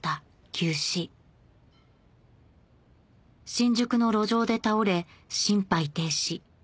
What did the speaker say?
急死新宿の路上で倒れ心肺停止